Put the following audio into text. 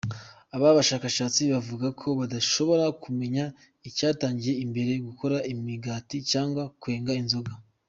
Aba bashakashatsi bavuga ko badashobora kumenya icyatangiye mbere - gukora imigati cyangwa kwenga inzoga.